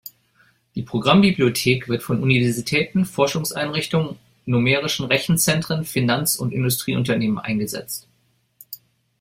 Die Programmbibliothek wird von Universitäten, Forschungseinrichtungen, numerischen Rechenzentren, Finanz- und Industrieunternehmen eingesetzt.